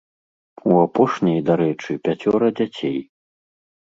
У апошняй, дарэчы, пяцёра дзяцей.